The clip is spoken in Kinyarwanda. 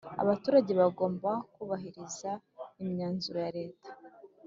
Abaturage bagomba kubahiriza imyanzuro ya leta